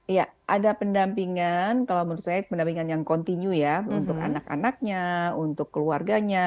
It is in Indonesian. iya ada pendampingan kalau menurut saya pendampingan yang kontinu ya untuk anak anaknya untuk keluarganya